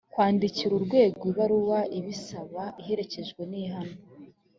kwandikira urwego ibaruwa ibisaba iherekejwe nihana